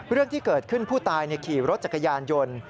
เรื่องที่เกิดขึ้นผู้ตายขี่รถจักรยานยนต์